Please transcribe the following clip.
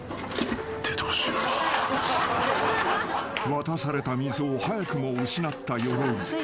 ［渡された水を早くも失ったヨロイ］